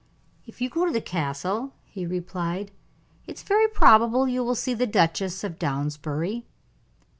"If you go to the Castle," he replied, "it is very probable you will see the Duchess of Downsbury."